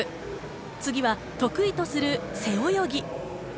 次は得意とする背泳ぎ。